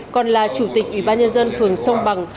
còn là chủ tịch ủy ban nhân dân phường sông bằng